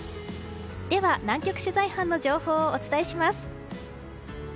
では、南極取材班の情報をお伝えします。